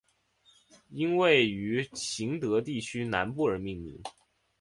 因位于行德地区南部而命名。